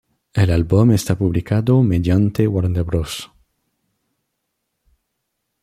El álbum está publicado mediante Warner Bros.